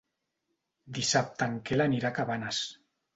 Dissabte en Quel anirà a Cabanes.